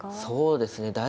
そうですね。